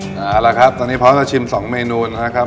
เอาละครับตอนนี้พร้อมจะชิม๒เมนูนะครับ